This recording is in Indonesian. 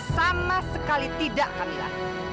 sama sekali tidak kamilah